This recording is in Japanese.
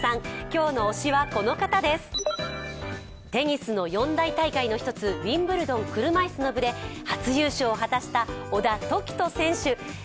今日の推しはこの方です、テニスの四大大会の一つ、ウィンブルドン車いすの部で最年少優勝を果たした小田凱人選手です。